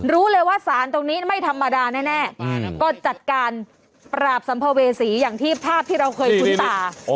รู้เลยว่าสารตรงนี้ไม่ธรรมดาแน่ก็จัดการปราบสัมภเวษีอย่างที่ภาพที่เราเคยคุ้นตา